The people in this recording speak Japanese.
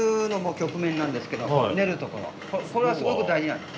これはすごく大事なんです。